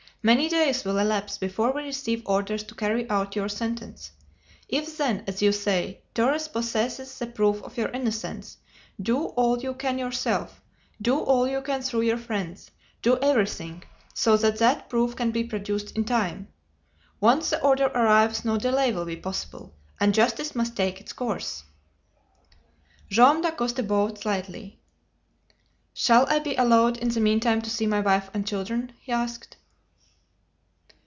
"Many days will elapse before we receive orders to carry out your sentence. If then, as you say, Torres possesses the proof of your innocence, do all you can yourself do all you can through your friends do everything, so that that proof can be produced in time. Once the order arrives no delay will be possible, and justice must take its course." Joam Dacosta bowed slightly. "Shall I be allowed in the meantime to see my wife and children?" he asked.